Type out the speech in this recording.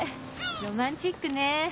ロマンチックね。